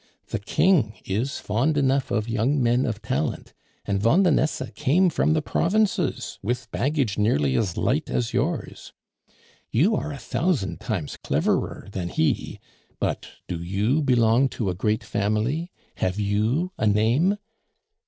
The King is fond enough of young men of talent, and Vandenesse came from the provinces with baggage nearly as light as yours. You are a thousand times cleverer than he; but do you belong to a great family, have you a name?